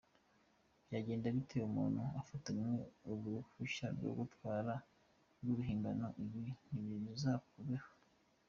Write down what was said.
Byagenda bite umuntu afatanywe uruhushya rwo gutwara rw’uruhimbano? Ibi ntibizakubeho.